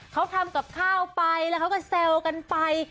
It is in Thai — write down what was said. เขาทำกับข้าวไปแล้วเขาก็แซวกันไป